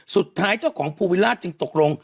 สุดท้ายเจ้าของภูวิราชจริงตกลง